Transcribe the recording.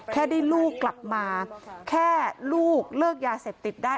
แค่ได้ลูกกลับมาแค่ลูกเลิกยาเสพติดได้